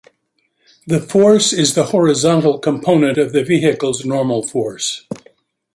This force is the horizontal component of the vehicle's normal force.